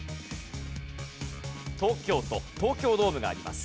東京都東京ドームがあります。